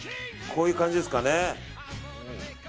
こういう感じですかね。